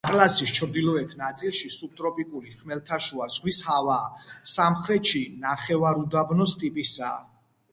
ატლასის ჩრდილოეთ ნაწილში სუბტროპიკული ხმელთაშუა ზღვის ჰავაა, სამხრეთში ნახევარუდაბნოს ტიპისაა.